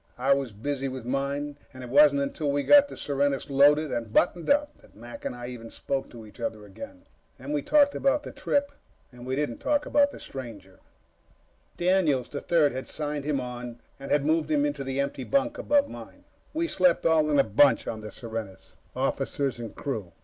I was busy with mine, and it wasn't until we'd gotten the Serenus loaded and buttoned up that Mac and I even spoke to each other again. Then we talked about the trip. We didn't talk about the stranger. Daniels, the Third, had signed him on and had moved him into the empty bunk above mine. We slept all in a bunch on the Serenus officers and crew.